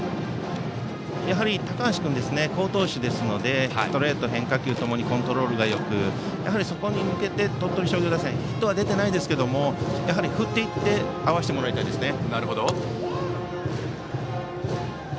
やはり高橋君は好投手ですのでストレート、変化球ともにコントロールがよくそこに向けて、鳥取商業打線ヒットは出ていないですけども振っていって合わせてもらいたいですね。